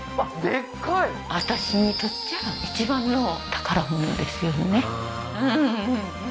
でっかい私にとっちゃ一番の宝物ですよね